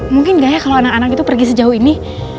mungkin gaya kalau anak anak itu pergi sejauh ini